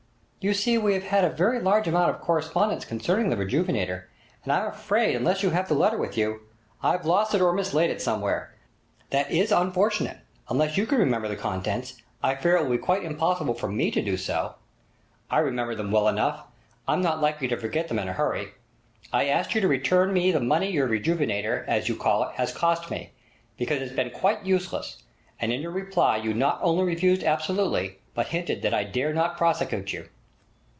'You see we have a very large amount of correspondence concerning the "Rejuvenator", and I'm afraid unless you have the letter with you——' 'I've lost it or mislaid it somewhere.' 'That is unfortunate! Unless you can remember the contents I fear it will be quite impossible for me to do so.' 'I remember them well enough! I'm not likely to forget them in a hurry. I asked you to return me the money your "Rejuvenator", as you call it, has cost me, because it's been quite useless, and in your reply you not only refused absolutely, but hinted that I dare not prosecute you.'